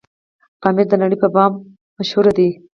پامير دنړۍ په بام هم مشهور دی